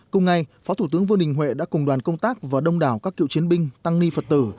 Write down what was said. cùng ngày phó thủ tướng vương đình huệ đã cùng đoàn công tác và đông đảo các cựu chiến binh tăng ni phật tử